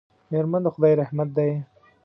میرمن د خدای رحمت دی.